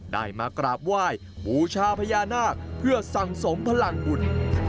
ได้มากราบไหว้บูชาพญานาคเพื่อสั่งสมพลังบุญ